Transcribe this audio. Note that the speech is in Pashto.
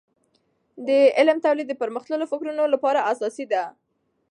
د علم تولید د پرمختللیو فکرونو لپاره اساسي ده.